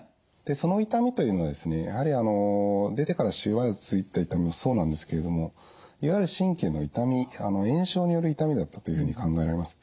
その痛みというのはですねやはりあの出てからしばらく続いた痛みもそうなんですけれどもいわゆる神経の痛み炎症による痛みだったというふうに考えられます。